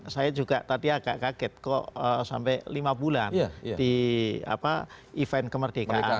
saya juga tadi agak kaget kok sampai lima bulan di event kemerdekaan